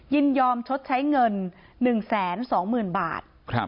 ยินยอมชดใช้เงิน๑แสน๒หมื่นบาท